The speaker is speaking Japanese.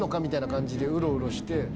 みたいな感じでウロウロして。